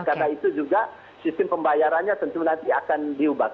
karena itu juga sistem pembayarannya tentu nanti akan diubah